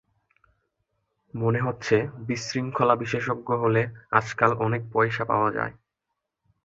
মনে হচ্ছে বিশৃঙ্খলা বিশেষজ্ঞ হলে আজকাল অনেক পয়সা পাওয়া যায়।